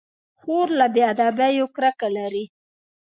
خور له بې ادبيو کرکه لري.